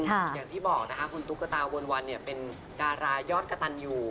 อย่างที่บอกนะคะคุณตุ๊กตาวนวันเนี่ยเป็นดารายอดกระตันอยู่